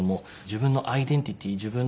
自分のアイデンティティー